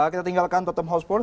kita tinggalkan tottenham hotspur